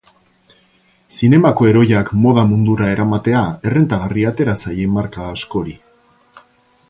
Zinemako heroiak moda mundura eramatea errentagarri atera zaie marka askori.